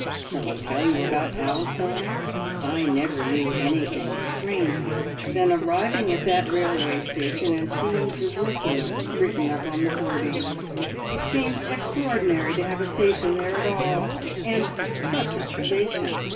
"Shall I tell you about Palestine? I never knew anything stranger than arriving at that railway station and seeing `Jerusalem' written up on the hoardings. It seemed extraordinary to have a station there at all, and such a station!